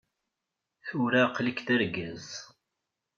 Tura aql-ik d argaz.